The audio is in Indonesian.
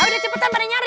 ah udah cepetan pada nyari